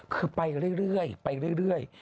คือไปเรื่อย